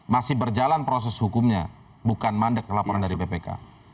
masih berjalan proses hukumnya bukan mandek laporan dari bpk